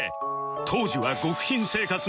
当時は極貧生活の毎日